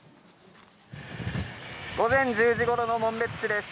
午前１０時頃の紋別市です。